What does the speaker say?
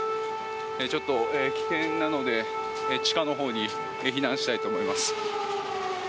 ちょっと危険なので地下のほうに避難したいと思います。